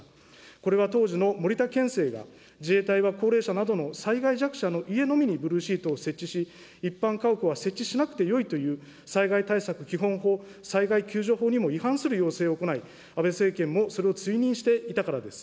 これは当時の森田県政が、自衛隊は高齢者などの災害弱者の家のみにブルーシートを設置し、一般家屋は設置しなくてよいという、災害対策基本法、災害救助法にも違反する要請を行い、安倍政権もそれを追認していたからです。